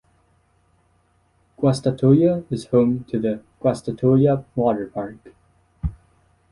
Guastatoya is home to the Guastatoya Water Park.